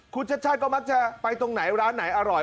คุณชัดชาติก็มักจะไปตรงไหนร้านไหนอร่อย